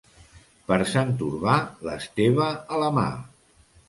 Per Sant Urbà, l'esteva a la mà.